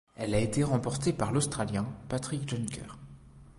Elle a été remportée par l'Australien Patrick Jonker.